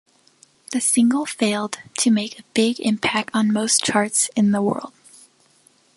The single failed to make a big impact on most charts in the world.